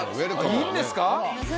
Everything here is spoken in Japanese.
いいんですか？